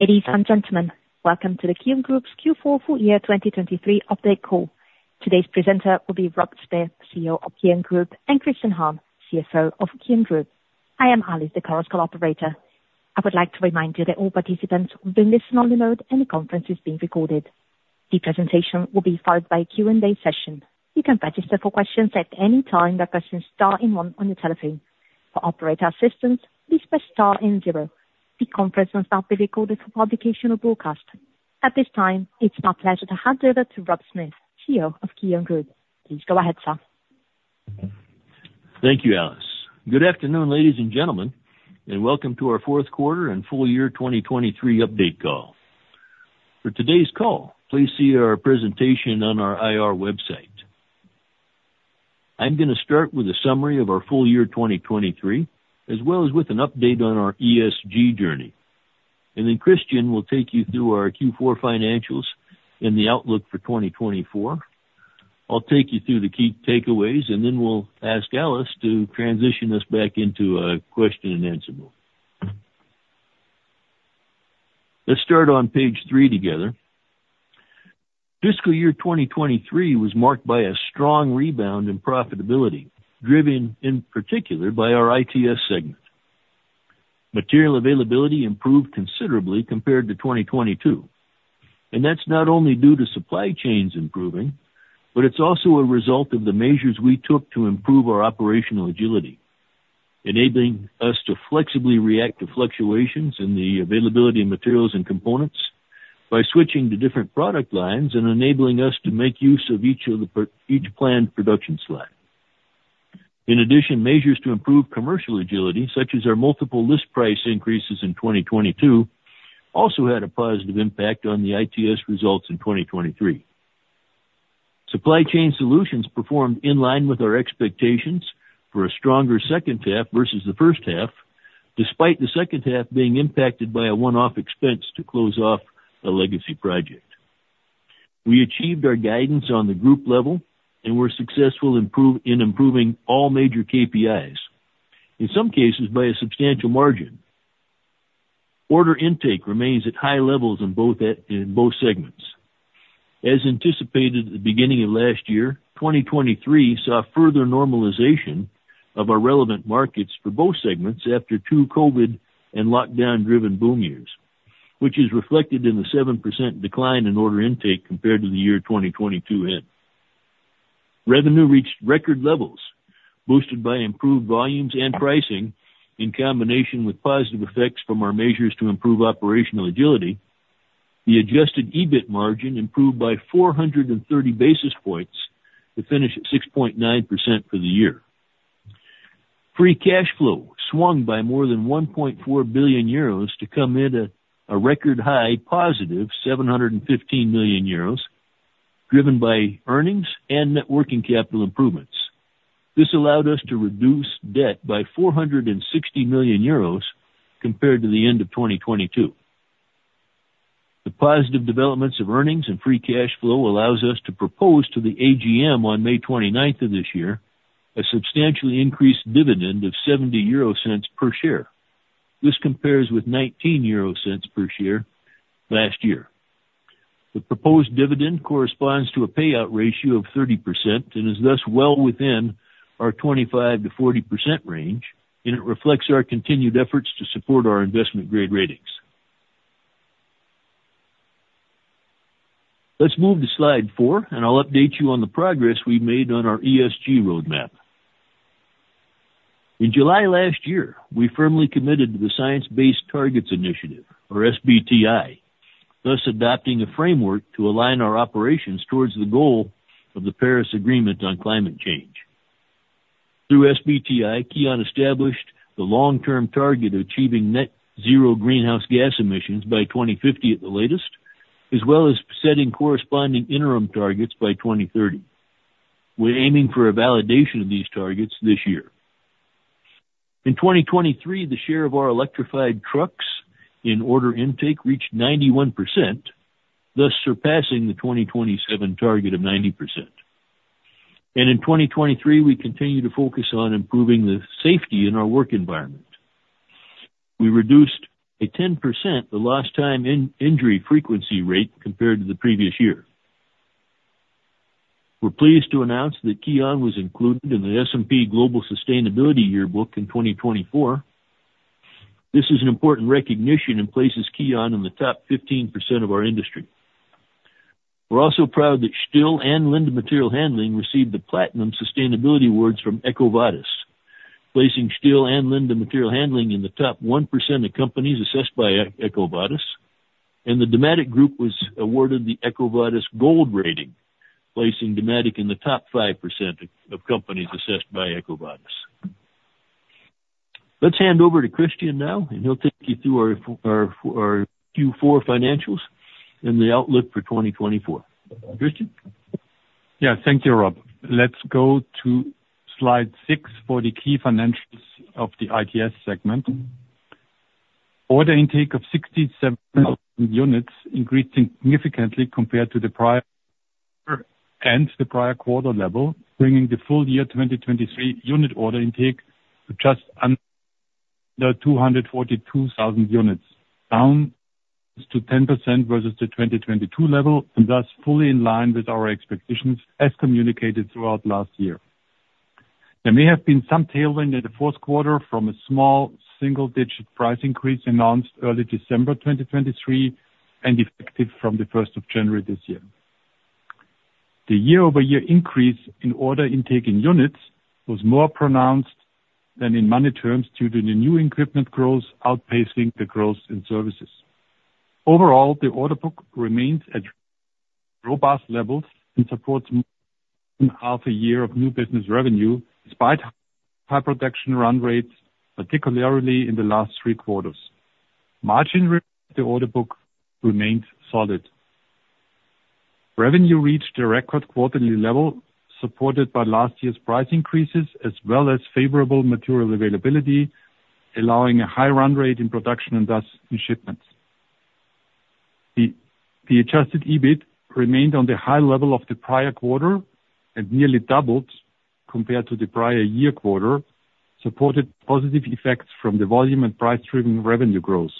Ladies and gentlemen, welcome to the KION Group's Q4 full year 2023 update call. Today's presenter will be Rob Smith, CEO of KION Group, and Christian Harm, CFO of KION Group. I am Alice, the conference call operator. I would like to remind you that all participants will be in listen-only mode, and the conference is being recorded. The presentation will be followed by a Q&A session. You can register for questions at any time by pressing star and one on your telephone. For operator assistance, please press star and zero. The conference will not be recorded for publication or broadcast. At this time, it's my pleasure to hand over to Rob Smith, CEO of KION Group. Please go ahead, sir. Thank you, Alice. Good afternoon, ladies and gentlemen, and welcome to our fourth quarter and full year 2023 update call. For today's call, please see our presentation on our IR website. I'm gonna start with a summary of our full year 2023, as well as with an update on our ESG journey. And then Christian will take you through our Q4 financials and the outlook for 2024. I'll take you through the key takeaways, and then we'll ask Alice to transition us back into a question and answer mode. Let's start on page 3 together. Fiscal year 2023 was marked by a strong rebound in profitability, driven in particular by our ITS segment. Material availability improved considerably compared to 2022, and that's not only due to supply chains improving, but it's also a result of the measures we took to improve our operational agility, enabling us to flexibly react to fluctuations in the availability of materials and components by switching to different product lines and enabling us to make use of each of the each planned production slot. In addition, measures to improve commercial agility, such as our multiple list price increases in 2022, also had a positive impact on the ITS results in 2023. Supply Chain Solutions performed in line with our expectations for a stronger second half versus the first half, despite the second half being impacted by a one-off expense to close off a legacy project. We achieved our guidance on the group level and were successful in improving all major KPIs, in some cases by a substantial margin. Order intake remains at high levels in both segments. As anticipated at the beginning of last year, 2023 saw further normalization of our relevant markets for both segments after two COVID- and lockdown-driven boom years, which is reflected in the 7% decline in order intake compared to the year 2022 end. Revenue reached record levels, boosted by improved volumes and pricing in combination with positive effects from our measures to improve operational agility. The Adjusted EBIT margin improved by 430 basis points, to finish at 6.9% for the year. Free cash flow swung by more than 1.4 billion euros to come in at a record high positive 715 million euros, driven by earnings and net working capital improvements. This allowed us to reduce debt by 460 million euros compared to the end of 2022. The positive developments of earnings and free cash flow allows us to propose to the AGM on May 29th of this year, a substantially increased dividend of 0.70 per share. This compares with 0.19 per share last year. The proposed dividend corresponds to a payout ratio of 30% and is thus well within our 25%-40% range, and it reflects our continued efforts to support our investment grade ratings. Let's move to slide 4, and I'll update you on the progress we've made on our ESG roadmap. In July last year, we firmly committed to the Science Based Targets initiative, or SBTi, thus adopting a framework to align our operations towards the goal of the Paris Agreement on climate change. Through SBTi, KION established the long-term target of achieving net zero greenhouse gas emissions by 2050 at the latest, as well as setting corresponding interim targets by 2030. We're aiming for a validation of these targets this year. In 2023, the share of our electrified trucks in order intake reached 91%, thus surpassing the 2027 target of 90%. In 2023, we continued to focus on improving the safety in our work environment. We reduced by 10% the lost time injury frequency rate compared to the previous year. We're pleased to announce that KION was included in the S&P Global Sustainability Yearbook in 2024. This is an important recognition and places KION in the top 15% of our industry. We're also proud that STILL and Linde Material Handling received the Platinum Sustainability Awards from EcoVadis, placing STILL and Linde Material Handling in the top 1% of companies assessed by EcoVadis, and the Dematic Group was awarded the EcoVadis Gold rating, placing Dematic in the top 5% of companies assessed by EcoVadis. Let's hand over to Christian now, and he'll take you through our Q4 financials and the outlook for 2024. Christian? Yeah. Thank you, Rob. Let's go to slide 6 for the key financials of the ITS segment. Order intake of 67 units increased significantly compared to the prior and the prior quarter level, bringing the full year 2023 unit order intake to just under 242,000 units, down 10% versus the 2022 level, and thus fully in line with our expectations, as communicated throughout last year. There may have been some tailwind in the fourth quarter from a small single-digit price increase announced early December 2023, and effective from the first of January this year. The year-over-year increase in order intake in units was more pronounced than in money terms, due to the new equipment growth outpacing the growth in services. Overall, the order book remains at robust levels and supports more than half a year of new business revenue, despite high production run rates, particularly in the last three quarters. The margin, the order book, remained solid. Revenue reached a record quarterly level, supported by last year's price increases, as well as favorable material availability, allowing a high run rate in production and thus in shipments. The adjusted EBIT remained on the high level of the prior quarter and nearly doubled compared to the prior year quarter, supported positive effects from the volume and price-driven revenue growth,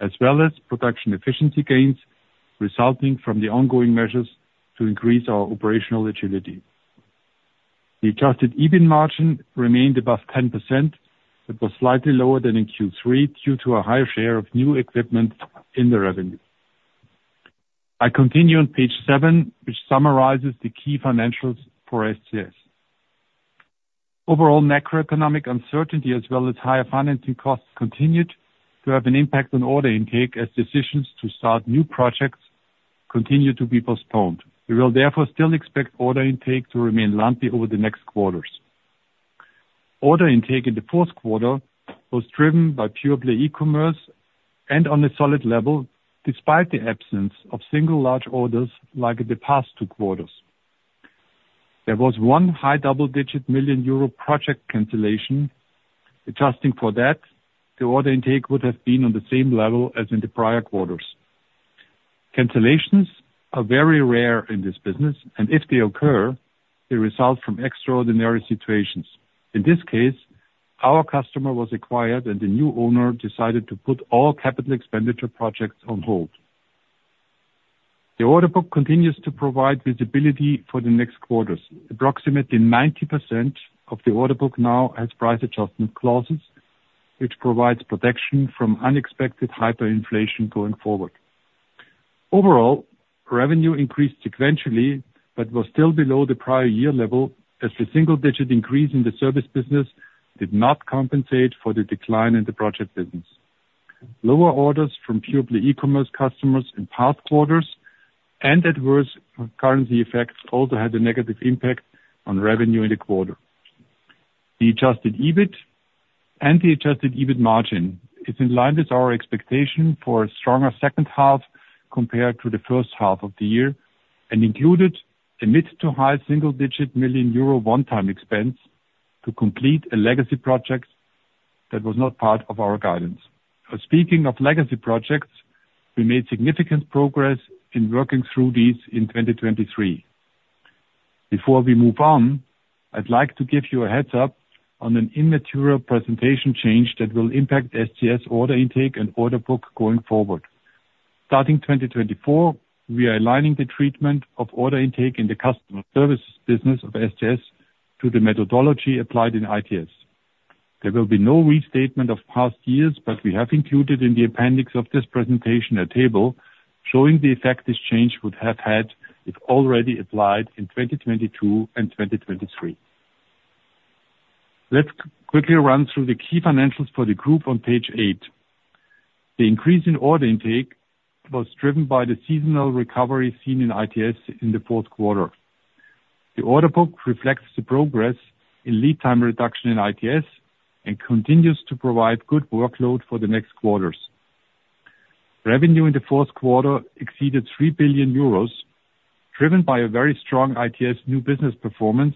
as well as production efficiency gains resulting from the ongoing measures to increase our operational agility. The adjusted EBIT margin remained above 10%. It was slightly lower than in Q3, due to a higher share of new equipment in the revenue. I continue on page 7, which summarizes the key financials for SCS. Overall, macroeconomic uncertainty, as well as higher financing costs, continued to have an impact on order intake, as decisions to start new projects continue to be postponed. We will therefore still expect order intake to remain lumpy over the next quarters. Order intake in the fourth quarter was driven by purely e-commerce and on a solid level, despite the absence of single large orders like in the past two quarters. There was one high double-digit million EUR project cancellation. Adjusting for that, the order intake would have been on the same level as in the prior quarters. Cancellations are very rare in this business, and if they occur, they result from extraordinary situations. In this case, our customer was acquired, and the new owner decided to put all capital expenditure projects on hold. The order book continues to provide visibility for the next quarters. Approximately 90% of the order book now has price adjustment clauses, which provides protection from unexpected hyperinflation going forward. Overall, revenue increased sequentially, but was still below the prior year level, as the single-digit increase in the service business did not compensate for the decline in the project business. Lower orders from purely e-commerce customers in past quarters and adverse currency effects also had a negative impact on revenue in the quarter. The Adjusted EBIT and the Adjusted EBIT Margin is in line with our expectation for a stronger second half compared to the first half of the year, and included a mid- to high single-digit million euro one-time expense to complete a legacy project that was not part of our guidance. Speaking of legacy projects, we made significant progress in working through these in 2023. Before we move on, I'd like to give you a heads up on an immaterial presentation change that will impact SCS order intake and order book going forward. Starting 2024, we are aligning the treatment of order intake in the Customer Services business of SCS to the methodology applied in ITS. There will be no restatement of past years, but we have included in the appendix of this presentation, a table showing the effect this change would have had if already applied in 2022 and 2023. Let's quickly run through the key financials for the group on page 8. The increase in order intake was driven by the seasonal recovery seen in ITS in the fourth quarter. The order book reflects the progress in lead time reduction in ITS and continues to provide good workload for the next quarters. Revenue in the fourth quarter exceeded 3 billion euros, driven by a very strong ITS new business performance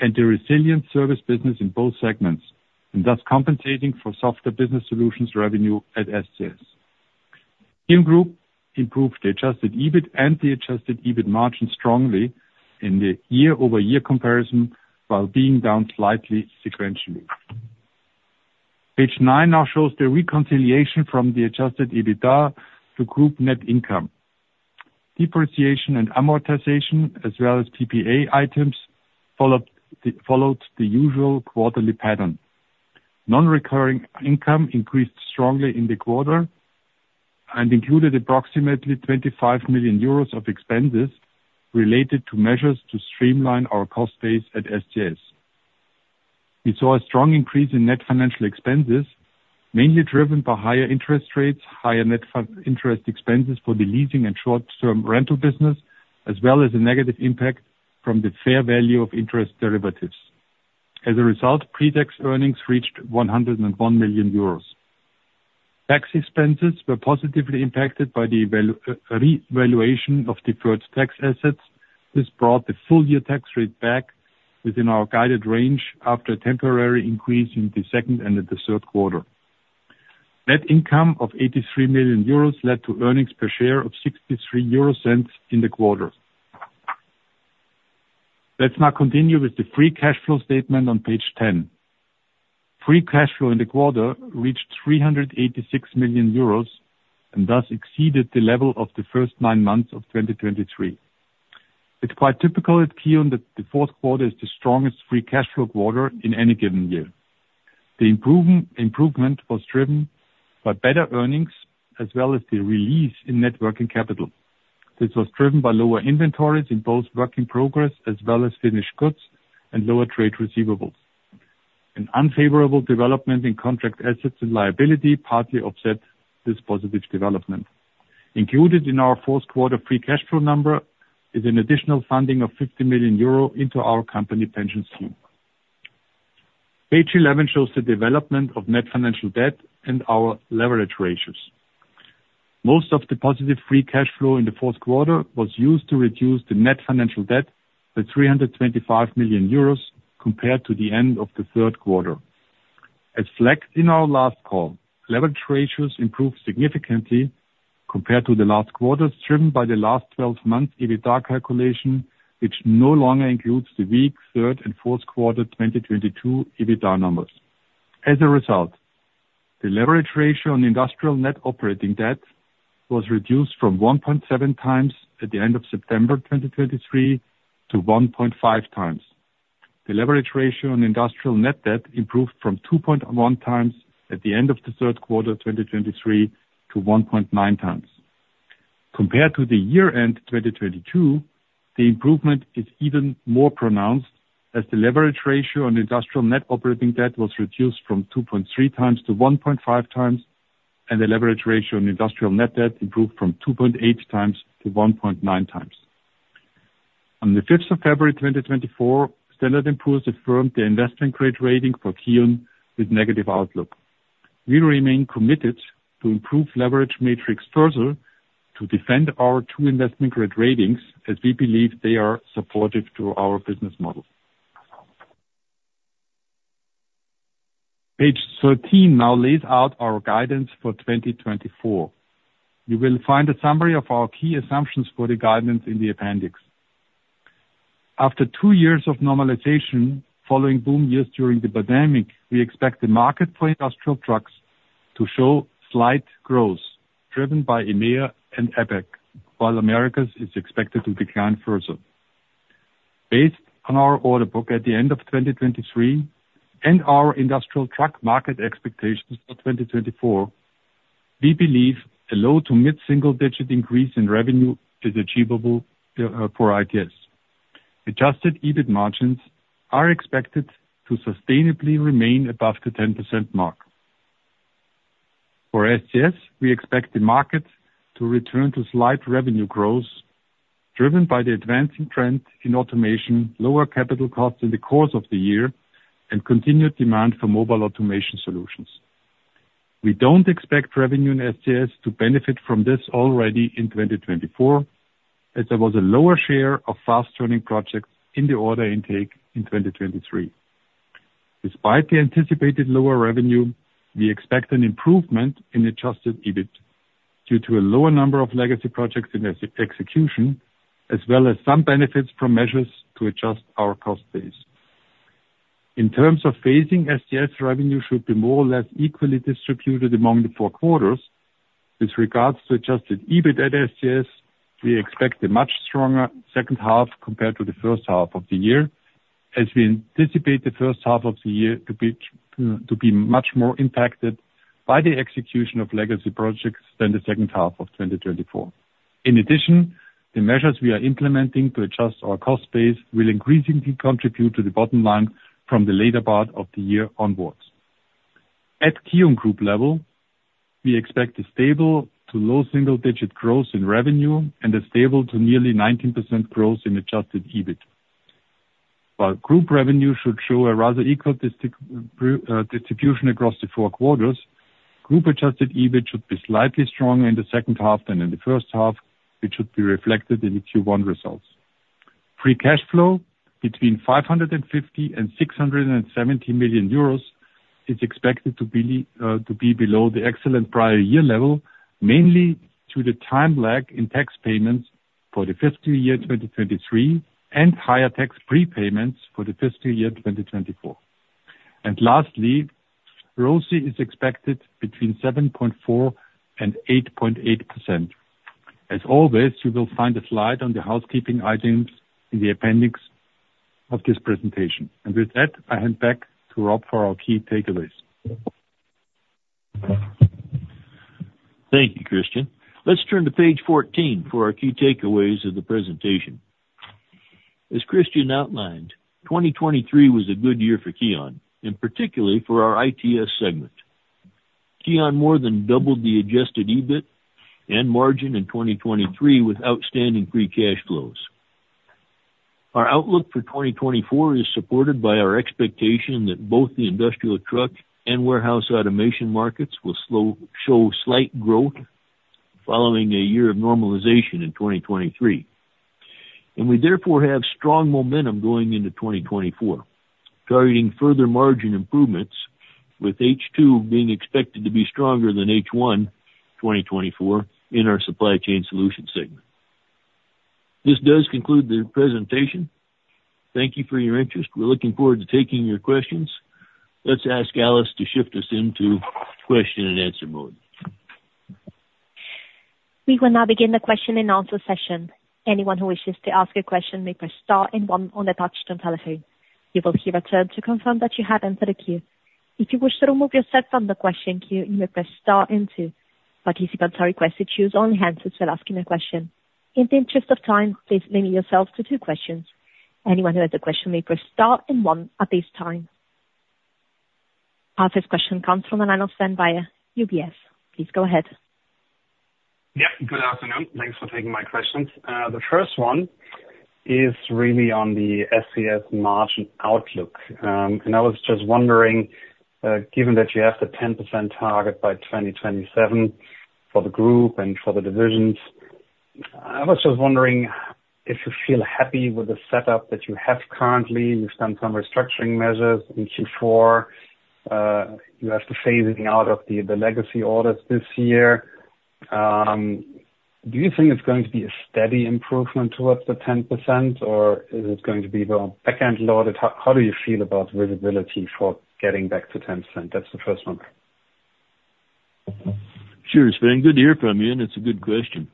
and the resilient service business in both segments, and thus compensating for softer Business Solutions revenue at SCS. In Group, improved the adjusted EBIT and the adjusted EBIT margin strongly in the year-over-year comparison, while being down slightly sequentially. Page nine now shows the reconciliation from the adjusted EBITDA to Group net income. Depreciation and amortization, as well as PPA items, followed the usual quarterly pattern. Non-recurring income increased strongly in the quarter and included approximately 25 million euros of expenses related to measures to streamline our cost base at SCS. We saw a strong increase in net financial expenses, mainly driven by higher interest rates, higher net interest expenses for the leasing and short-term rental business, as well as a negative impact from the fair value of interest derivatives. As a result, pre-tax earnings reached 101 million euros. Tax expenses were positively impacted by the revaluation of deferred tax assets. This brought the full year tax rate back within our guided range after a temporary increase in the second and in the third quarter. Net income of 83 million euros led to earnings per share of 0.63 in the quarter. Let's now continue with the Free Cash Flow statement on page 10. Free Cash Flow in the quarter reached 386 million euros, and thus exceeded the level of the first nine months of 2023. It's quite typical at KION that the fourth quarter is the strongest Free Cash Flow quarter in any given year. The improvement was driven by better earnings, as well as the release in Net Working Capital. This was driven by lower inventories in both work in progress, as well as finished goods and lower trade receivables. An unfavorable development in contract assets and liability partly offset this positive development. Included in our fourth quarter free cash flow number is an additional funding of 50 million euro into our company pension scheme. Page 11 shows the development of net financial debt and our leverage ratios. Most of the positive free cash flow in the fourth quarter was used to reduce the net financial debt by 325 million euros compared to the end of the third quarter. As flagged in our last call, leverage ratios improved significantly compared to the last quarter, driven by the last 12 months EBITDA calculation, which no longer includes the weak third and fourth quarter 2022 EBITDA numbers. As a result, the leverage ratio on industrial net operating debt was reduced from 1.7 times at the end of September 2023 to 1.5 times. The leverage ratio on industrial net debt improved from 2.1 times at the end of the third quarter, 2023, to 1.9 times. Compared to the year-end 2022, the improvement is even more pronounced, as the leverage ratio on industrial net operating debt was reduced from 2.3 times to 1.5 times, and the leverage ratio on industrial net debt improved from 2.8 times to 1.9 times. On the fifth of February, 2024, Standard & Poor's affirmed the investment grade rating for KION with negative outlook. We remain committed to improve leverage metrics further to defend our two investment grade ratings, as we believe they are supportive to our business model. Page 13 now lays out our guidance for 2024. You will find a summary of our key assumptions for the guidance in the appendix. After two years of normalization, following boom years during the pandemic, we expect the market for industrial trucks to show slight growth, driven by EMEA and APAC, while Americas is expected to decline further. Based on our order book at the end of 2023 and our industrial truck market expectations for 2024, we believe a low- to mid-single-digit increase in revenue is achievable, for ITS. Adjusted EBIT margins are expected to sustainably remain above the 10% mark. For SCS, we expect the market to return to slight revenue growth, driven by the advancing trend in automation, lower capital costs in the course of the year, and continued demand for mobile automation solutions. We don't expect revenue in SCS to benefit from this already in 2024, as there was a lower share of fast-turning projects in the order intake in 2023. Despite the anticipated lower revenue, we expect an improvement in Adjusted EBIT due to a lower number of legacy projects in execution, as well as some benefits from measures to adjust our cost base. In terms of phasing, SCS revenue should be more or less equally distributed among the four quarters. With regards to Adjusted EBIT at SCS, we expect a much stronger second half compared to the first half of the year, as we anticipate the first half of the year to be much more impacted by the execution of legacy projects than the second half of 2024. In addition, the measures we are implementing to adjust our cost base will increasingly contribute to the bottom line from the later part of the year onwards. At KION Group level, we expect a stable to low single-digit growth in revenue and a stable to nearly 19% growth in adjusted EBIT. While group revenue should show a rather equal distribution across the four quarters, group adjusted EBIT should be slightly stronger in the second half than in the first half, which should be reflected in the Q1 results. Free cash flow between 550 million and 670 million euros is expected to be below the excellent prior year level, mainly due to the time lag in tax payments for the fiscal year 2023, and higher tax prepayments for the fiscal year 2024. Lastly, ROCE is expected between 7.4% and 8.8%. As always, you will find a slide on the housekeeping items in the appendix of this presentation. With that, I hand back to Rob for our key takeaways. Thank you, Christian. Let's turn to page 14 for our key takeaways of the presentation. As Christian outlined, 2023 was a good year for KION, and particularly for our ITS segment. KION more than doubled the Adjusted EBIT and margin in 2023 with outstanding free cash flows. Our outlook for 2024 is supported by our expectation that both the industrial truck and warehouse automation markets will show slight growth following a year of normalization in 2023, and we therefore have strong momentum going into 2024, targeting further margin improvements, with H2 being expected to be stronger than H1, 2024, in our Supply Chain Solutions segment. This does conclude the presentation. Thank you for your interest. We're looking forward to taking your questions. Let's ask Alice to shift us into question and answer mode. We will now begin the question and answer session. Anyone who wishes to ask a question, may press star and one on the touchtone telephone. You will hear a tone to confirm that you have entered a queue. If you wish to remove yourself from the question queue, you may press star and two. Participants are requested to use only hands for asking a question. In the interest of time, please limit yourself to two questions. Anyone who has a question may press star and one at this time. Our first question comes from the line of Sven Weier, UBS. Please go ahead. Yeah, good afternoon. Thanks for taking my questions. The first one is really on the SCS margin outlook. And I was just wondering, given that you have the 10% target by 2027 for the group and for the divisions, I was just wondering if you feel happy with the setup that you have currently. You've done some restructuring measures in Q4. You have the phasing out of the legacy orders this year. Do you think it's going to be a steady improvement towards the 10%, or is it going to be more back end loaded? How do you feel about visibility for getting back to 10%? That's the first one. Sure, Sven. Good to hear from you, and it's a good question.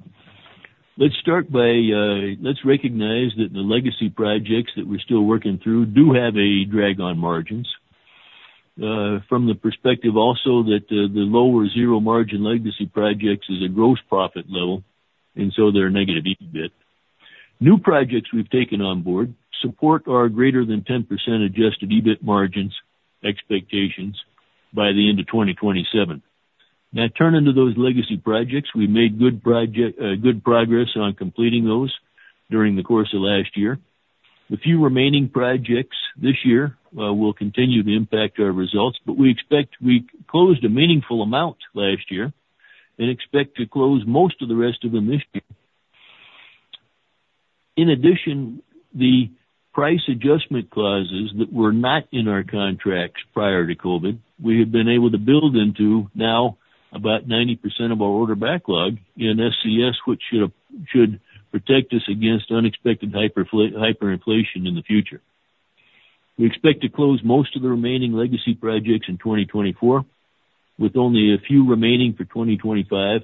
Let's recognize that the legacy projects that we're still working through do have a drag on margins. From the perspective also that the lower zero margin legacy projects is a gross profit level, and so they're negative EBIT. New projects we've taken on board support our greater than 10% adjusted EBIT margins expectations by the end of 2027. Now, turning to those legacy projects, we made good progress on completing those during the course of last year. The few remaining projects this year will continue to impact our results, but we expect we closed a meaningful amount last year and expect to close most of the rest of them this year. In addition, the price adjustment clauses that were not in our contracts prior to COVID, we have been able to build into now about 90% of our order backlog in SCS, which should protect us against unexpected hyperinflation in the future. We expect to close most of the remaining legacy projects in 2024, with only a few remaining for 2025.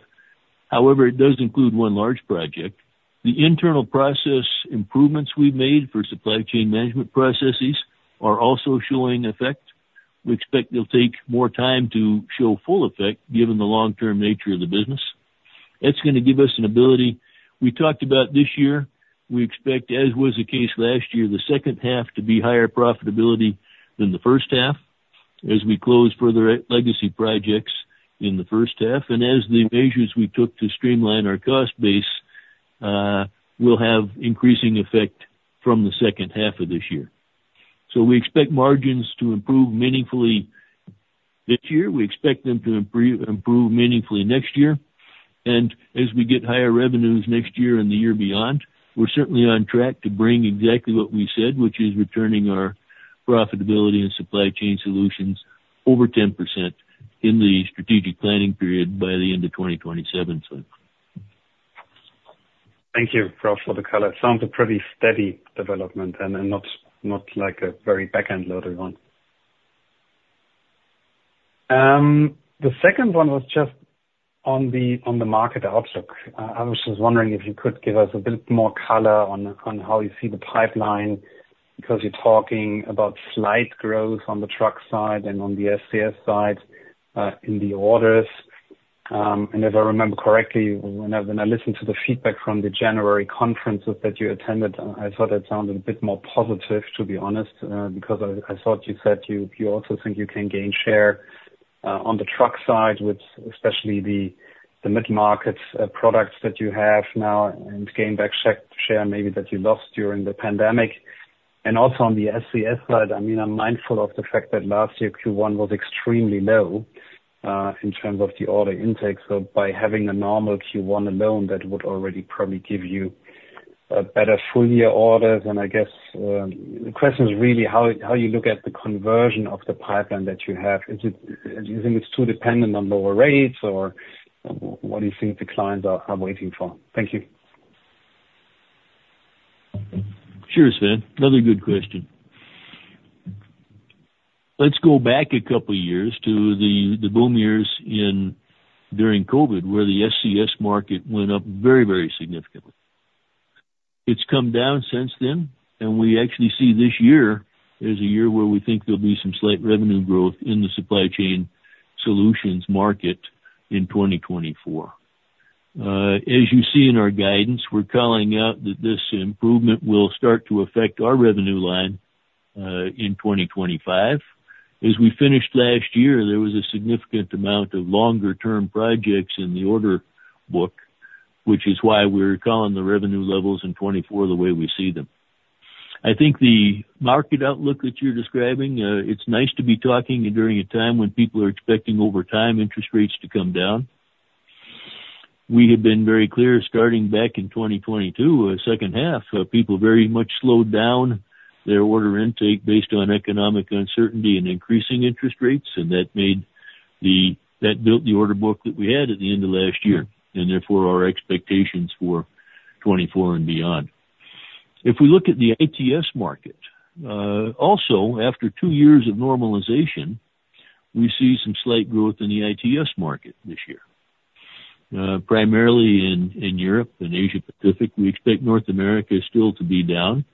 However, it does include one large project. The internal process improvements we've made for supply chain management processes are also showing effect. We expect it'll take more time to show full effect, given the long-term nature of the business. That's gonna give us an ability. We talked about this year, we expect, as was the case last year, the second half to be higher profitability than the first half as we close further legacy projects in the first half, and as the measures we took to streamline our cost base will have increasing effect from the second half of this year. So we expect margins to improve meaningfully this year. We expect them to improve, improve meaningfully next year. And as we get higher revenues next year and the year beyond, we're certainly on track to bring exactly what we said, which is returning our profitability and Supply Chain Solutions over 10% in the strategic planning period by the end of 2027. So. Thank you, Rob, for the color. Sounds a pretty steady development and not like a very back-end loaded one. The second one was just on the market outlook. I was just wondering if you could give us a bit more color on how you see the pipeline, because you're talking about slight growth on the truck side and on the SCS side in the orders. And if I remember correctly, when I listened to the feedback from the January conferences that you attended, I thought that sounded a bit more positive, to be honest, because I thought you said you also think you can gain share on the truck side, with especially the mid-market products that you have now, and gain back share maybe that you lost during the pandemic. And also on the SCS side, I mean, I'm mindful of the fact that last year, Q1 was extremely low in terms of the order intake. So by having a normal Q1 alone, that would already probably give you better full year orders. And I guess the question is really how you look at the conversion of the pipeline that you have. Is it do you think it's too dependent on lower rates, or what do you think the clients are waiting for? Thank you. Sure, Sven. Another good question. Let's go back a couple of years to the boom years during COVID, where the SCS market went up very, very significantly. It's come down since then, and we actually see this year as a year where we think there'll be some slight revenue growth in the Supply Chain Solutions market in 2024. As you see in our guidance, we're calling out that this improvement will start to affect our revenue line in 2025. As we finished last year, there was a significant amount of longer term projects in the order book, which is why we're calling the revenue levels in 2024 the way we see them. I think the market outlook that you're describing, it's nice to be talking during a time when people are expecting over time interest rates to come down. We have been very clear, starting back in 2022, second half, people very much slowed down their order intake based on economic uncertainty and increasing interest rates, and that built the order book that we had at the end of last year, and therefore, our expectations for 2024 and beyond. If we look at the ITS market, also, after two years of normalization, we see some slight growth in the ITS market this year, primarily in Europe and Asia Pacific. We expect North America still to be down.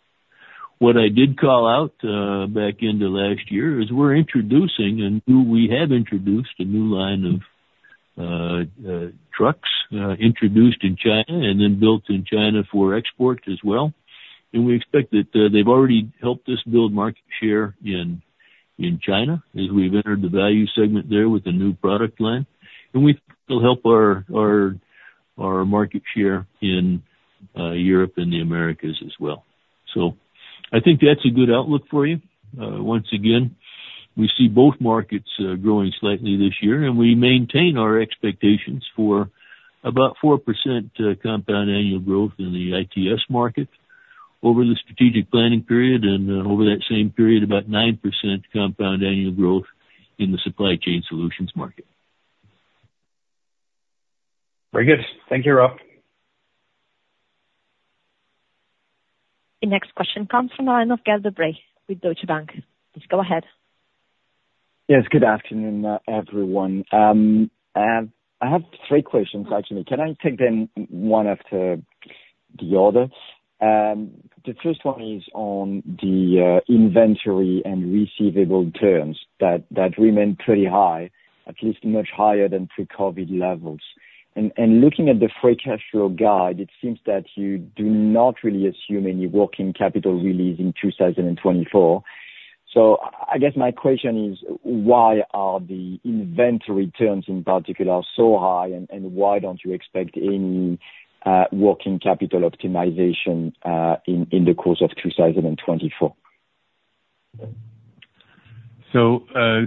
What I did call out, back in the last year, is we're introducing, and who we have introduced, a new line of trucks, introduced in China and then built in China for export as well. We expect that, they've already helped us build market share in China, as we've entered the value segment there with a new product line. We think they'll help our market share in Europe and the Americas as well. So I think that's a good outlook for you. Once again, we see both markets growing slightly this year, and we maintain our expectations for about 4% compound annual growth in the ITS market over the strategic planning period, and over that same period, about 9% compound annual growth in the Supply Chain Solutions market. Very good. Thank you, Rob. The next question comes from the line of Gael de Bray with Deutsche Bank. Please go ahead. Yes, good afternoon, everyone. I have three questions, actually. Can I take them one after the other? The first one is on the inventory and receivable terms that remain pretty high, at least much higher than pre-COVID levels. And looking at the Free Cash Flow guide, it seems that you do not really assume any working capital release in 2024. So I guess my question is, why are the inventory terms, in particular, so high, and why don't you expect any working capital optimization in the course of 2024? So, hi,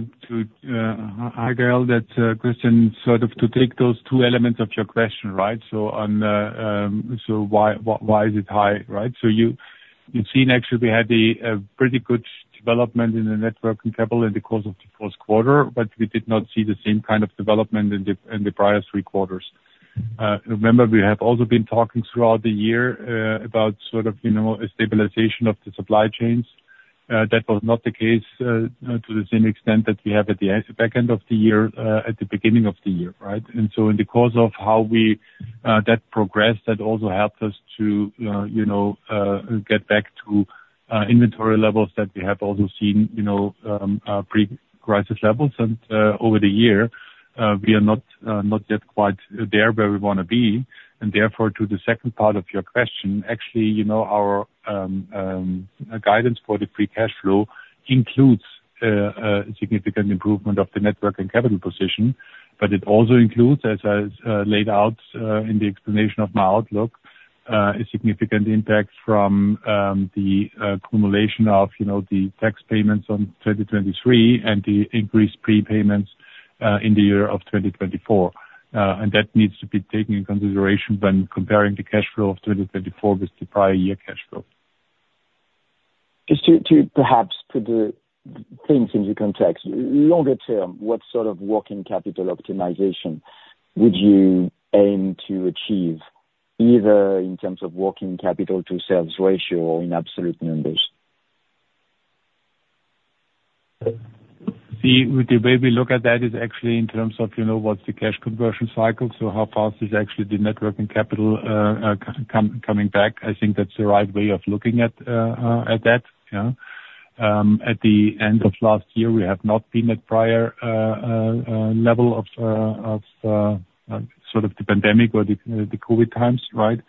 Gael, that question, sort of to take those two elements of your question, right? So on, so why is it high, right? So you've seen actually we had a pretty good development in the Net Working Capital in the course of the first quarter, but we did not see the same kind of development in the prior three quarters. Remember, we have also been talking throughout the year about sort of, you know, a stabilization of the supply chains. That was not the case to the same extent that we have at the back end of the year at the beginning of the year, right? And so in the course of how we that progressed, that also helped us to, you know, get back to inventory levels that we have also seen, you know, pre-crisis levels. Over the year, we are not not yet quite there where we wanna be. Therefore, to the second part of your question, actually, you know, our guidance for the Free Cash Flow includes a significant improvement of the Net Working Capital position, but it also includes, as I laid out in the explanation of my outlook, a significant impact from the accumulation of, you know, the tax payments on 2023 and the increased prepayments in the year of 2024. That needs to be taken in consideration when comparing the cash flow of 2024 with the prior year cash flow. Just to perhaps put the things into context, longer term, what sort of working capital optimization would you aim to achieve, either in terms of working capital to sales ratio or in absolute numbers? The way we look at that is actually in terms of, you know, what's the cash conversion cycle, so how fast is actually the net working capital coming back? I think that's the right way of looking at that, yeah. At the end of last year, we have not been at prior level of sort of the pandemic or the COVID times, right?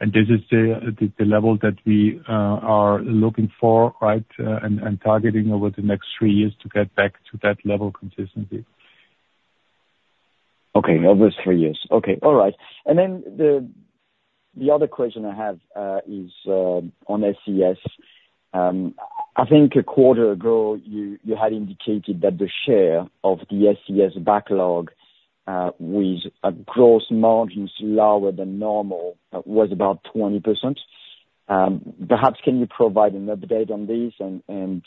And this is the level that we are looking for, right, and targeting over the next three years to get back to that level consistently. Okay, over three years. Okay, all right. And then the other question I have is on SCS. I think a quarter ago, you had indicated that the share of the SCS backlog with gross margins lower than normal was about 20%. Perhaps can you provide an update on this, and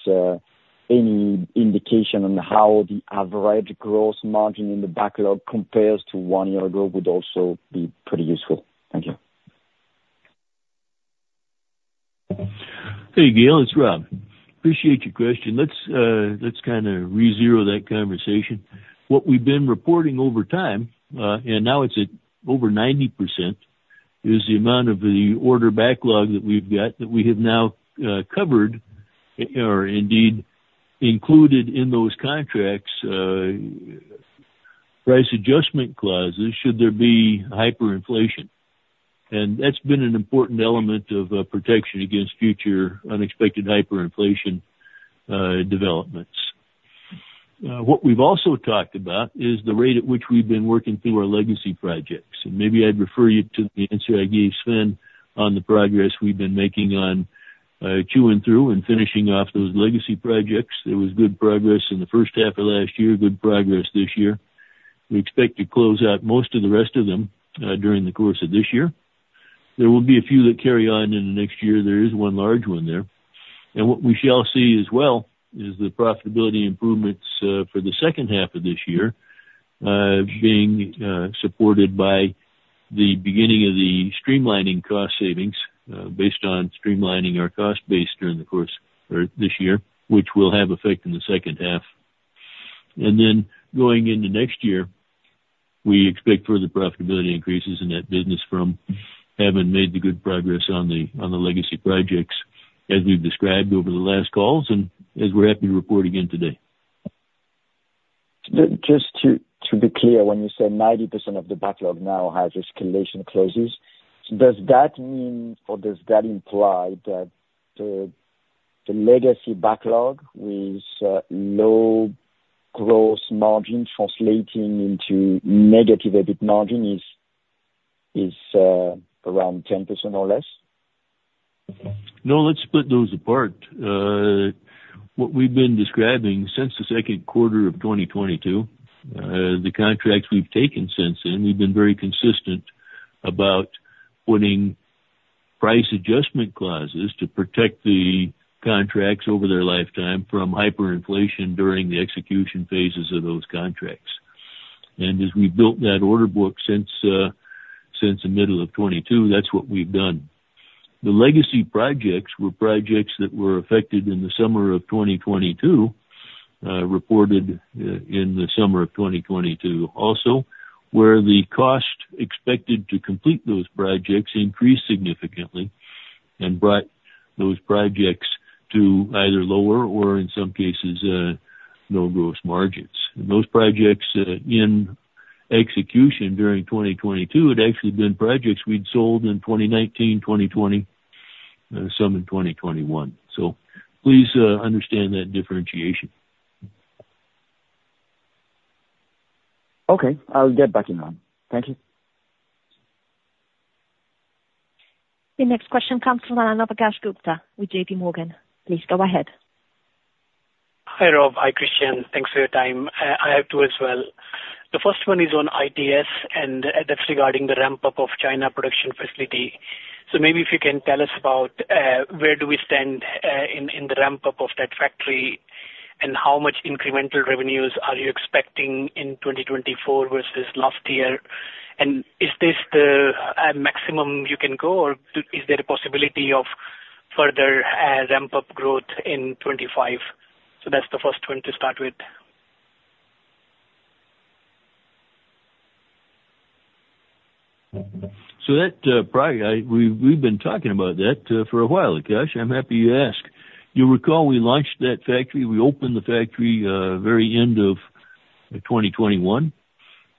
any indication on how the average gross margin in the backlog compares to one year ago would also be pretty useful. Thank you. Hey, Gael, it's Rob. Appreciate your question. Let's kind of re-zero that conversation. What we've been reporting over time, and now it's at over 90%, is the amount of the order backlog that we've got, that we have now, covered, or indeed included in those contracts, price adjustment clauses, should there be hyperinflation. And that's been an important element of protection against future unexpected hyperinflation developments. What we've also talked about is the rate at which we've been working through our legacy projects, and maybe I'd refer you to the answer I gave Sven on the progress we've been making chewing through and finishing off those legacy projects. There was good progress in the first half of last year, good progress this year. We expect to close out most of the rest of them, during the course of this year. There will be a few that carry on in the next year. There is one large one there. And what we shall see as well, is the profitability improvements, for the second half of this year, being supported by the beginning of the streamlining cost savings, based on streamlining our cost base during the course or this year, which will have effect in the second half. And then going into next year, we expect further profitability increases in that business from having made the good progress on the, on the legacy projects as we've described over the last calls, and as we're happy to report again today. Just to be clear, when you say 90% of the backlog now has escalation clauses, does that mean or does that imply that the legacy backlog with low gross margin translating into negative EBIT margin is around 10% or less? No, let's split those apart. What we've been describing since the second quarter of 2022, the contracts we've taken since then, we've been very consistent about putting price adjustment clauses to protect the contracts over their lifetime from hyperinflation during the execution phases of those contracts. And as we've built that order book since, since the middle of 2022, that's what we've done. The legacy projects were projects that were affected in the summer of 2022, reported, in the summer of 2022 also, where the cost expected to complete those projects increased significantly and brought those projects to either lower or in some cases, no gross margins. Most projects, in execution during 2022 had actually been projects we'd sold in 2019, 2020, some in 2021. So please, understand that differentiation. Okay, I'll get back in line. Thank you. The next question comes from Akash Gupta with JPMorgan. Please go ahead. Hi, Rob. Hi, Christian. Thanks for your time. I have two as well. The first one is on ITS, and that's regarding the ramp-up of China production facility. So maybe if you can tell us about where do we stand in the ramp-up of that factory? And how much incremental revenues are you expecting in 2024 versus last year? And is this the maximum you can go, or is there a possibility of further ramp-up growth in 2025? So that's the first one to start with. So that, probably, we've been talking about that for a while, Akash. I'm happy you asked. You recall we launched that factory, we opened the factory, very end of 2021.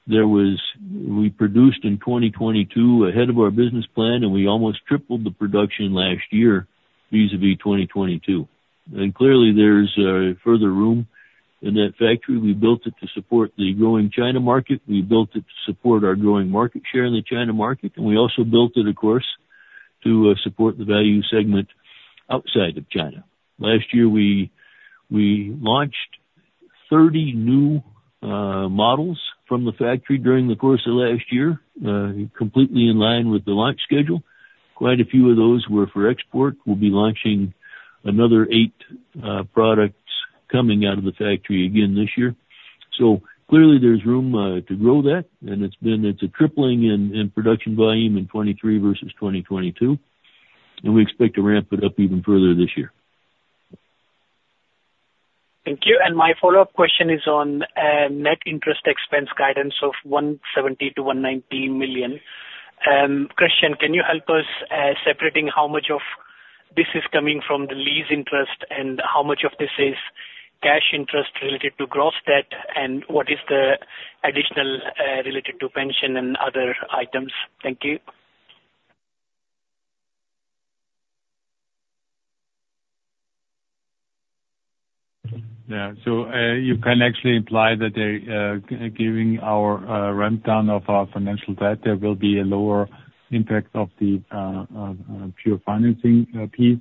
We produced in 2022 ahead of our business plan, and we almost tripled the production last year vis-à-vis 2022. And clearly, there's further room in that factory. We built it to support the growing China market. We built it to support our growing market share in the China market, and we also built it, of course, to support the value segment outside of China. Last year, we launched 30 new models from the factory during the course of last year, completely in line with the launch schedule. Quite a few of those were for export. We'll be launching another 8 products coming out of the factory again this year. So clearly, there's room to grow that, and it's a tripling in production volume in 2023 versus 2022, and we expect to ramp it up even further this year. Thank you. My follow-up question is on net interest expense guidance of 170 million-190 million. Christian, can you help us separating how much of this is coming from the lease interest, and how much of this is cash interest related to gross debt, and what is the additional related to pension and other items? Thank you. Yeah. So, you can actually imply that there, given our ramp down of our financial debt, there will be a lower impact of the pure financing piece.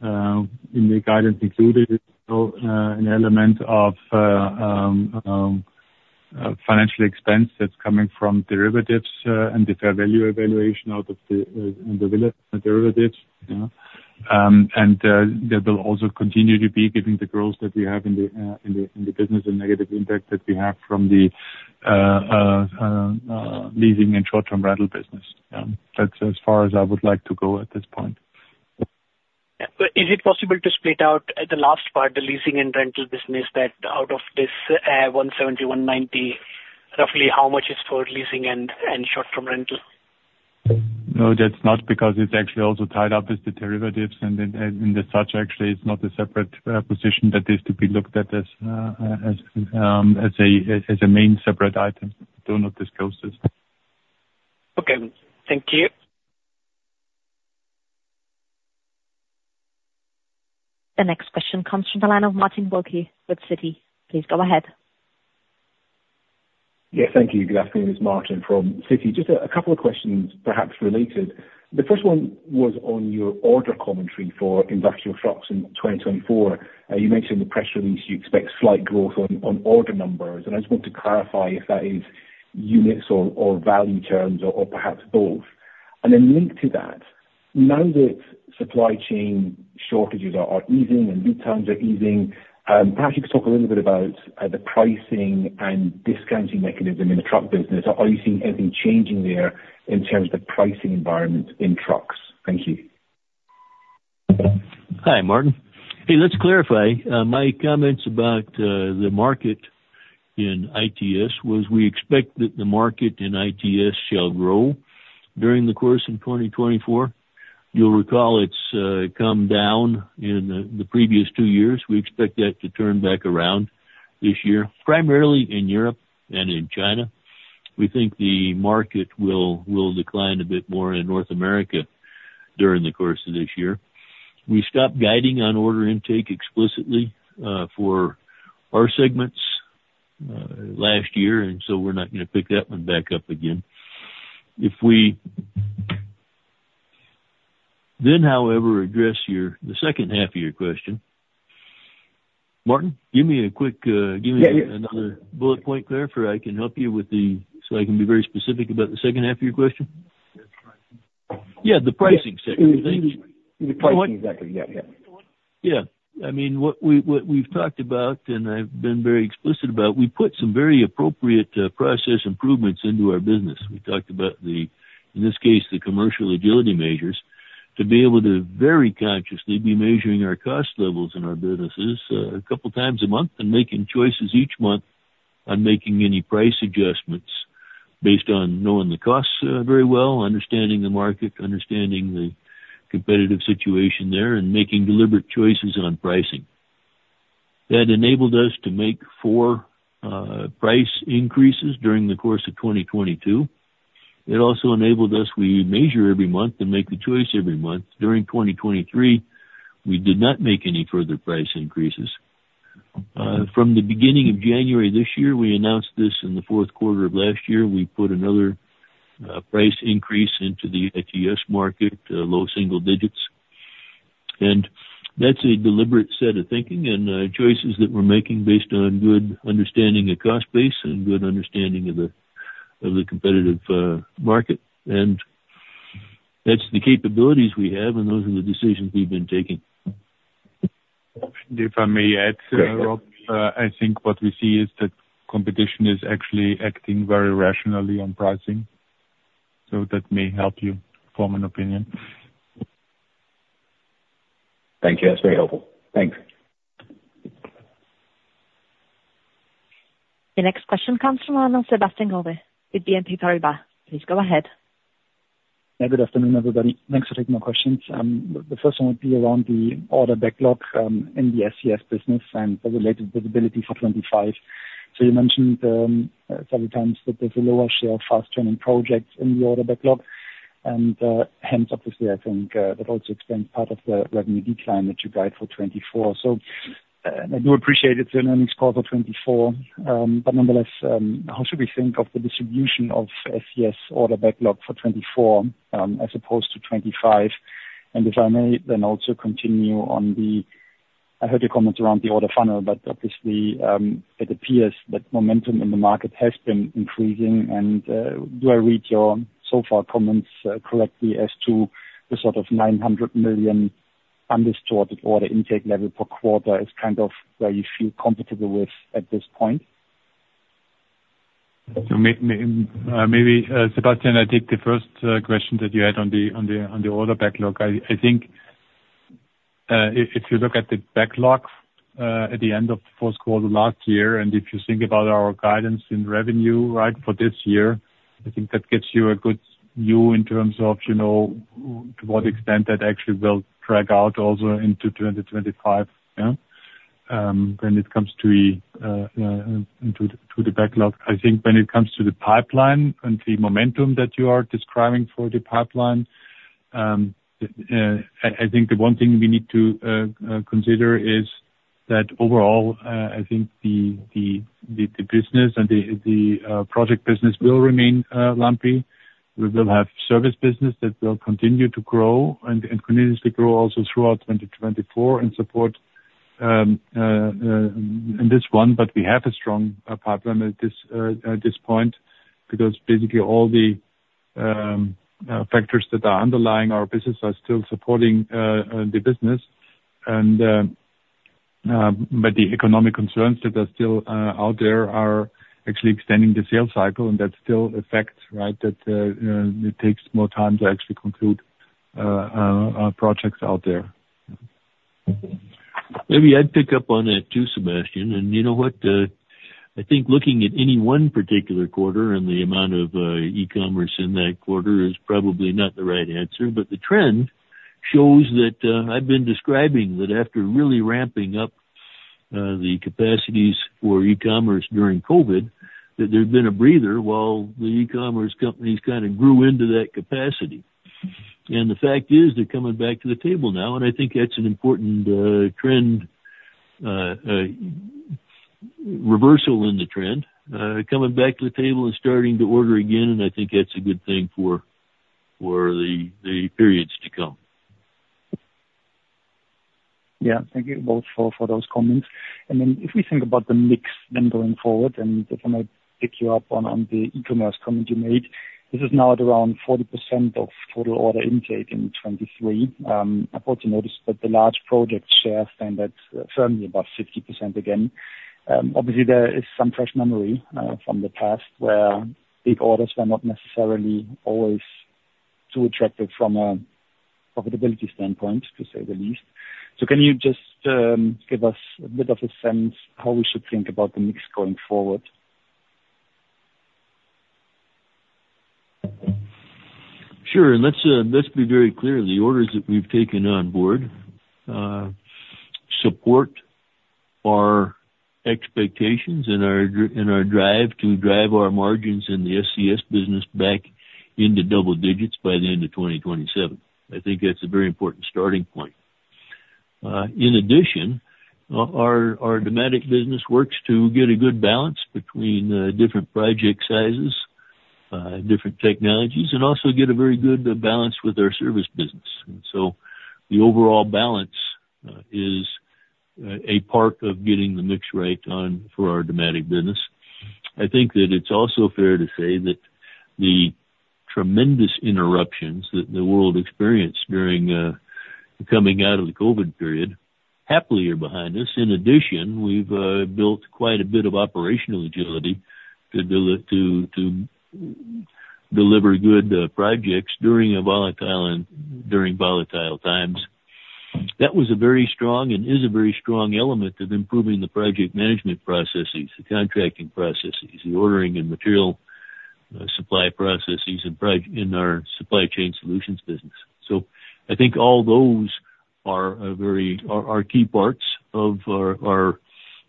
In the guidance included is an element of financial expense that's coming from derivatives, and the fair value evaluation out of the derivatives, yeah. And there will also continue to be, given the growth that we have in the business and negative impact that we have from the leasing and short-term rental business. That's as far as I would like to go at this point. Yeah. But is it possible to split out, the last part, the leasing and rental business, that out of this, 170-190, roughly how much is for leasing and, and short-term rental? No, that's not, because it's actually also tied up with the derivatives, and then, and as such, actually, it's not a separate position that is to be looked at as a main separate item. Do not disclose this. Okay. Thank you. The next question comes from the line of Martin Wilkie with Citi. Please go ahead. Yes, thank you. Good afternoon, it's Martin from Citi. Just a couple of questions, perhaps related. The first one was on your order commentary for industrial trucks in 2024. You mentioned the press release, you expect slight growth on order numbers, and I just want to clarify if that is units or value terms or perhaps both? And then linked to that, now that supply chain shortages are easing and lead times are easing, perhaps you could talk a little bit about the pricing and discounting mechanism in the truck business. Are you seeing anything changing there in terms of the pricing environment in trucks? Thank you. Hi, Martin. Hey, let's clarify. My comments about the market in ITS was, we expect that the market in ITS shall grow during the course of 2024. You'll recall it's come down in the previous two years. We expect that to turn back around this year, primarily in Europe and in China. We think the market will decline a bit more in North America during the course of this year. We stopped guiding on order intake explicitly for our segments last year, and so we're not gonna pick that one back up again. If we then, however, address your the second half of your question, Martin, give me a quick give me- Yeah, yeah. - another bullet point there, so I can be very specific about the second half of your question? The pricing. Yeah, the pricing second. Thank you. The pricing, exactly. Yeah, yeah. Yeah. I mean, what we, what we've talked about, and I've been very explicit about, we've put some very appropriate process improvements into our business. We talked about the, in this case, the commercial agility measures, to be able to very consciously be measuring our cost levels in our businesses a couple times a month, and making choices each month on making any price adjustments based on knowing the costs very well, understanding the market, understanding the competitive situation there, and making deliberate choices on pricing. That enabled us to make 4 price increases during the course of 2022. It also enabled us, we measure every month and make the choice every month. During 2023, we did not make any further price increases. From the beginning of January this year, we announced this in the fourth quarter of last year. We put another price increase into the ITS market, low single digits. That's a deliberate set of thinking and choices that we're making based on good understanding of cost base and good understanding of the competitive market. That's the capabilities we have, and those are the decisions we've been taking. If I may add, Rob, I think what we see is that competition is actually acting very rationally on pricing, so that may help you form an opinion. Thank you. That's very helpful. Thanks. The next question comes from Sebastian Growe, with BNP Paribas. Please go ahead. Yeah, good afternoon, everybody. Thanks for taking my questions. The first one would be around the order backlog in the SCS business and the related visibility for 2025. So you mentioned several times that there's a lower share of fast-turning projects in the order backlog, and hence, obviously, I think that also explains part of the revenue decline that you guide for 2024. So I do appreciate it's an earnings call for 2024, but nonetheless, how should we think of the distribution of SCS order backlog for 2024 as opposed to 2025? And if I may, then also continue on the... I heard your comments around the order funnel, but obviously, it appears that momentum in the market has been increasing, and, do I read your so far comments correctly as to the sort of 900 million undistorted order intake level per quarter is kind of where you feel comfortable with at this point? So maybe, Sebastian, I take the first question that you had on the order backlog. I think if you look at the backlogs at the end of the fourth quarter last year, and if you think about our guidance in revenue, right, for this year, I think that gives you a good view in terms of, you know, to what extent that actually will drag out also into 2025, yeah? When it comes to the backlog, I think when it comes to the pipeline and the momentum that you are describing for the pipeline, I think the one thing we need to consider is that overall, I think the business and the project business will remain lumpy. We will have service business that will continue to grow and continuously grow also throughout 2024, and support in this one. But we have a strong pipeline at this point, because basically all the factors that are underlying our business are still supporting the business. But the economic concerns that are still out there are actually extending the sales cycle, and that still affects, right, that it takes more time to actually conclude projects out there. Maybe I'd pick up on that too, Sebastian. And you know what? I think looking at any one particular quarter and the amount of e-commerce in that quarter is probably not the right answer. But the trend shows that I've been describing that after really ramping up the capacities for e-commerce during COVID, that there's been a breather while the e-commerce companies kind of grew into that capacity. And the fact is, they're coming back to the table now, and I think that's an important trend reversal in the trend. Coming back to the table and starting to order again, and I think that's a good thing for the periods to come. Yeah, thank you, Rob, for those comments. And then if we think about the mix then going forward, and I just wanna pick you up on the e-commerce comment you made, this is now at around 40% of total order intake in 2023. I noticed that the large project share stand at firmly above 60% again. Obviously, there is some fresh memory from the past, where big orders were not necessarily always too attractive from a profitability standpoint, to say the least. So can you just give us a bit of a sense how we should think about the mix going forward? Sure. And let's, let's be very clear, the orders that we've taken on board, support our expectations and our and our drive to drive our margins in the SCS business back into double digits by the end of 2027. I think that's a very important starting point. In addition, our, our Dematic business works to get a good balance between, different project sizes, different technologies, and also get a very good balance with our service business. And so the overall balance, is, a part of getting the mix right on for our Dematic business. I think that it's also fair to say that the tremendous interruptions that the world experienced during, coming out of the COVID period, happily are behind us. In addition, we've built quite a bit of operational agility to deliver good projects during volatile times. That was a very strong and is a very strong element of improving the project management processes, the contracting processes, the ordering and material supply processes, and processes in our Supply Chain Solutions business. So I think all those are very key parts of our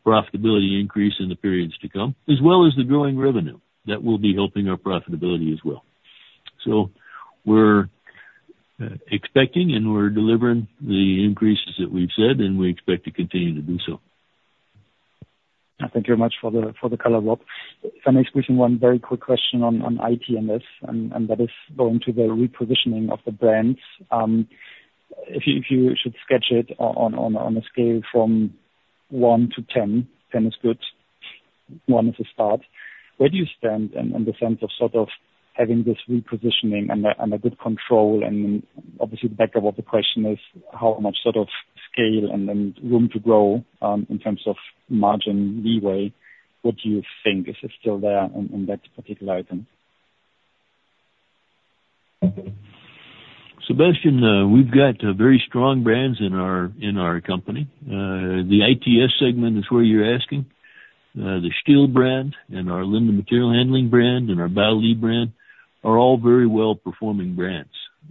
profitability increase in the periods to come, as well as the growing revenue that will be helping our profitability as well. So we're expecting, and we're delivering the increases that we've said, and we expect to continue to do so. Thank you very much for the, for the color, Rob. If I may squeeze in one very quick question on ITS, and that is going to the repositioning of the brands. If you should sketch it on a scale from one to ten, ten is good, one is a start, where do you stand in the sense of sort of having this repositioning and a good control? And obviously, the backup of the question is, how much sort of scale and then room to grow in terms of margin leeway, what do you think is still there on that particular item? Sebastian, we've got very strong brands in our company. The ITS segment is where you're asking. The STILL brand and our Linde Material Handling brand and our Baoli brand are all very well-performing brands.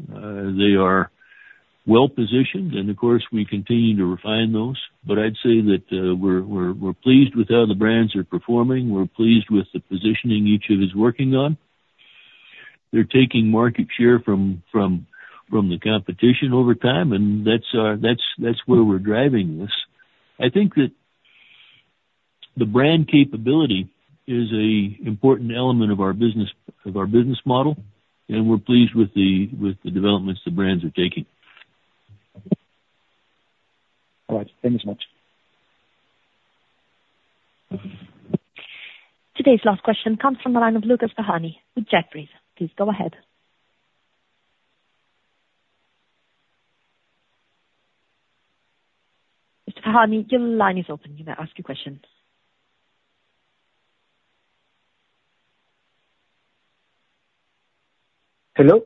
They are well positioned, and of course, we continue to refine those, but I'd say that we're pleased with how the brands are performing. We're pleased with the positioning each of us is working on. They're taking market share from the competition over time, and that's where we're driving this. I think that the brand capability is an important element of our business, of our business model, and we're pleased with the developments the brands are taking. All right, thank you so much. Today's last question comes from the line of Lucas Ferhani with Jefferies. Please go ahead. Mr. Ferhani, your line is open. You may ask your question. Hello?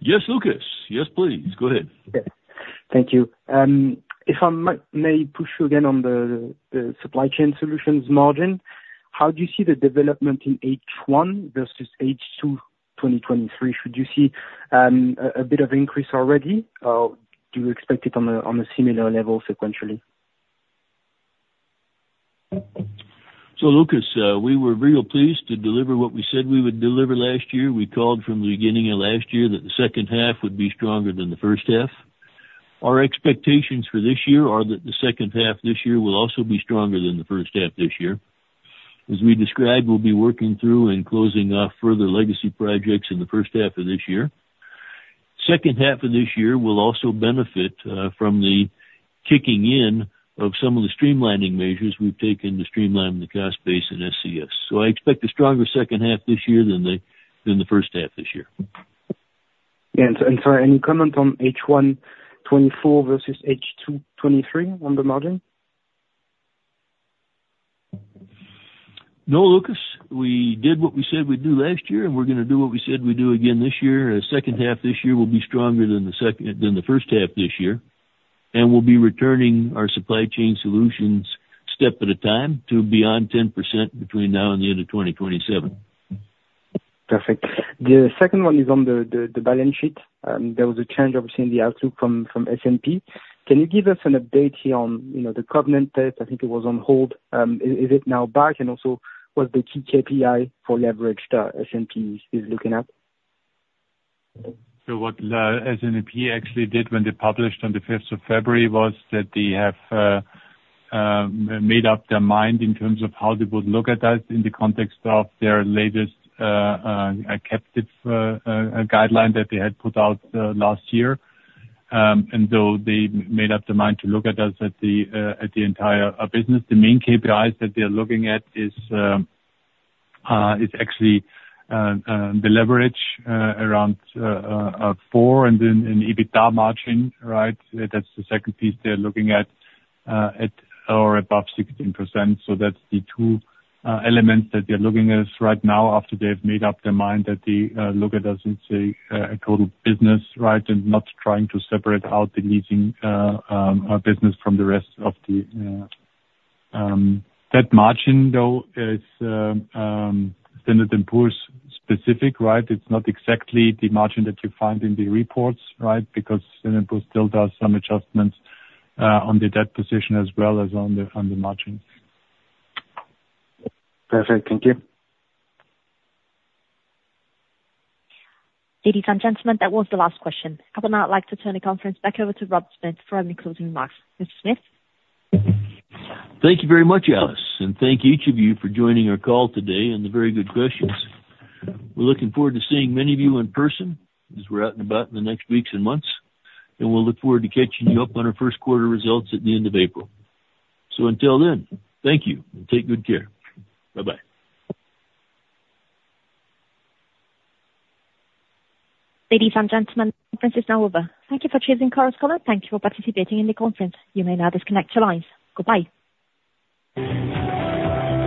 Yes, Lucas. Yes, please. Go ahead. Yeah. Thank you. If I may push you again on the Supply Chain Solutions margin, how do you see the development in H1 versus H2 2023? Should you see a bit of increase already, or do you expect it on a similar level sequentially? So, Lucas, we were real pleased to deliver what we said we would deliver last year. We called from the beginning of last year that the second half would be stronger than the first half. Our expectations for this year are that the second half this year will also be stronger than the first half this year. As we described, we'll be working through and closing off further legacy projects in the first half of this year. Second half of this year will also benefit from the kicking in of some of the streamlining measures we've taken to streamline the cost base in SCS. So I expect a stronger second half this year than the, than the first half this year. Yeah, and so any comment on H1 2024 versus H2 2023 on the margin? No, Lucas, we did what we said we'd do last year, and we're gonna do what we said we'd do again this year. Second half this year will be stronger than the second, than the first half this year, and we'll be returning our Supply Chain Solutions step at a time to beyond 10% between now and the end of 2027. Perfect. The second one is on the balance sheet. There was a change, obviously, in the outlook from S&P. Can you give us an update here on, you know, the covenant test? I think it was on hold. Is it now back, and also, what's the key KPI for leverage that S&P is looking at? So what S&P actually did when they published on the fifth of February was that they have made up their mind in terms of how they would look at us in the context of their latest capital guideline that they had put out last year. So they made up their mind to look at us at the entire business. The main KPIs that they are looking at is actually the leverage around 4, and then an EBITDA margin, right? That's the second piece they're looking at or above 16%. So that's the 2 elements that they're looking at us right now after they've made up their mind that they look at us as a total business, right? Not trying to separate out the leasing business from the rest of the. That margin, though, is Standard & Poor's specific, right? It's not exactly the margin that you find in the reports, right? Because Standard & Poor's still does some adjustments on the debt position as well as on the margin. Perfect. Thank you. Ladies and gentlemen, that was the last question. I would now like to turn the conference back over to Rob Smith for any closing remarks. Mr. Smith? Thank you very much, Alice, and thank each of you for joining our call today and the very good questions. We're looking forward to seeing many of you in person as we're out and about in the next weeks and months, and we'll look forward to catching you up on our first quarter results at the end of April. So until then, thank you, and take good care. Bye-bye. Ladies and gentlemen, the conference is now over. Thank you for choosing Chorus Call. Thank you for participating in the conference. You may now disconnect your lines. Goodbye.